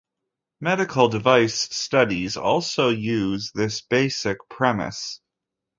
Medical device studies also use this basic premise.